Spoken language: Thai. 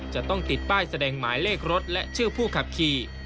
จะต้องติดป้ายแสดงหมายเลขรถและชื่อผู้ขับขี่